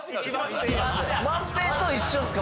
万平と一緒っすか？